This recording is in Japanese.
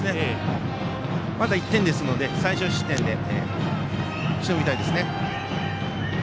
まだ１点ですので最少失点でしのぎたいです。